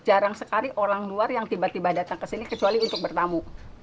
jarang sekali orang luar yang tiba tiba datang ke sini kecuali untuk bertamu